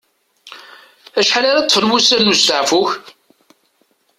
Acḥal ara ṭṭfen wussan n usteɛfu-k?